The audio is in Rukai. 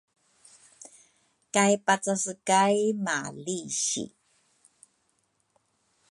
kay pacase kay malisi.